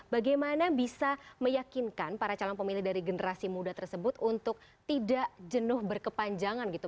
bagaimana bisa meyakinkan para calon pemilih dari generasi muda tersebut untuk tidak jenuh berkepanjangan gitu